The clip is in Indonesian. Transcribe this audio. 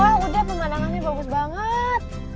wah udah pemandangannya bagus banget